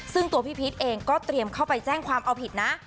ซึ่งตัวพี่พีชเองก็เตรียมเข้าไปแจ้งความเอาผิดนะ